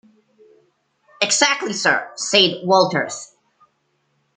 "Exactly, sir," said Walters.